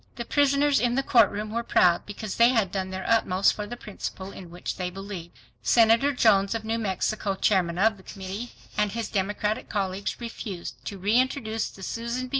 The prisoners in the courtroom were proud because they had done their utmost for the principle in which they believed. Senator Jones of New Mexico, Chairman of the Committee, and his Democratic colleagues refused to reintroduce the Susan B.